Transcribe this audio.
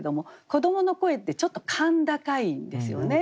子どもの声ってちょっと甲高いんですよね。